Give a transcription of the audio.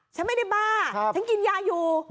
ฉันไม่ได้บ้าฉันกินยาอยู่